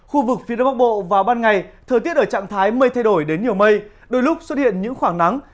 khu vực phía đông bắc bộ vào ban ngày thời tiết ở trạng thái mây thay đổi đến nhiều mây đôi lúc xuất hiện những khoảng nắng